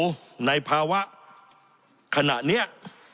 อยู่ในภาวะขณะเนี้ย